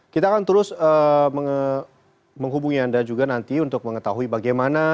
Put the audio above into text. kita akan terus menghubungi anda juga nanti untuk mengetahui bagaimana